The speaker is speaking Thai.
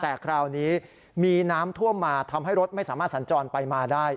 แต่คราวนี้มีน้ำท่วมมาทำให้รถไม่สามารถสัญจรไปมาได้